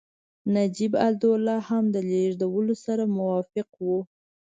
نجیب الدوله هم د لېږلو سره موافق وو.